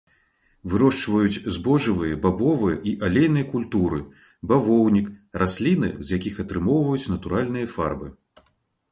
Вырошчваюць збожжавыя, бабовыя і алейныя культуры, бавоўнік, расліны, з якіх атрымоўваюць натуральныя фарбы.